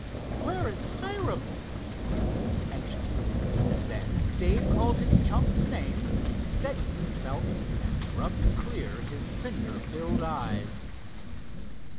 "Where is Hiram?" he breathed anxiously. Then Dave called his chum's name, steadied himself, and rubbed clear his cinder filled eyes.